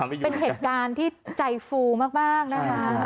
เป็นเหตุการณ์ที่ใจฟูมากนะคะ